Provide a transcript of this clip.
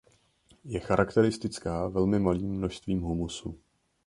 Je charakteristická velmi malým množstvím humusu.